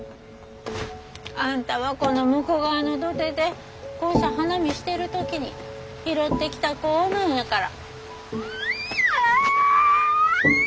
あんたはこの武庫川の土手でこうして花見してる時に拾ってきた子なんやから。